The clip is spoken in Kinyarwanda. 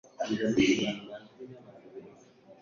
impundu zitaha iwabo kubera imfura yabo